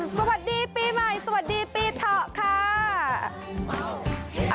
สวัสดีปีใหม่สวัสดีปีเถาะค่ะ